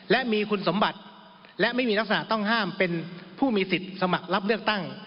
และมีคุณสมบัติและไม่มีลักษณะต้องห้ามเป็นผู้มีสิทธิ์สมัครรับเลือกตั้ง